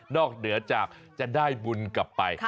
เหนือจากจะได้บุญกลับไป